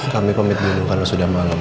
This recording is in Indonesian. kami komit dulu kalau sudah malam